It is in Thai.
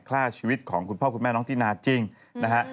ฆ่าชีวิตของคุณพ่อคุณแม่น้องตินาจริงนะฮะ